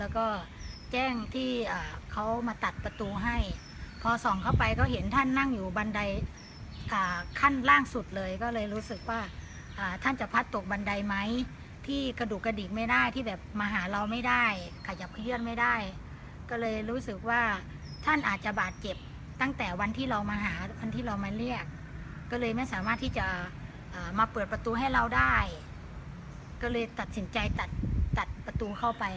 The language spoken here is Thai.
แล้วก็แจ้งที่เขามาตัดประตูให้พอส่องเข้าไปก็เห็นท่านนั่งอยู่บันไดขั้นล่างสุดเลยก็เลยรู้สึกว่าท่านจะพัดตกบันไดไหมที่กระดูกกระดิกไม่ได้ที่แบบมาหาเราไม่ได้ขยับขยื่นไม่ได้ก็เลยรู้สึกว่าท่านอาจจะบาดเจ็บตั้งแต่วันที่เรามาหาคนที่เรามาเรียกก็เลยไม่สามารถที่จะมาเปิดประตูให้เราได้ก็เลยตัดสินใจตัดตัดประตูเข้าไป